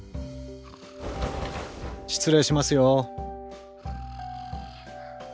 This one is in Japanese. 失礼しますよ。